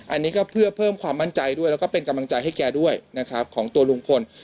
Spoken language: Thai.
อันนี้ก็เพื่อเพิ่มความมั่นใจด้วยแล้วก็เป็นกำลังใจให้แกด้วยนะครับของตัวลุงพล